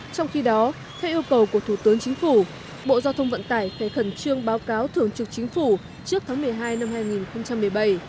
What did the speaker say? trong khi đó theo yêu cầu của thủ tướng chính phủ bộ giao thông vận tải phải khẩn trương báo cáo thường trực chính phủ trước tháng một mươi hai năm hai nghìn một mươi bảy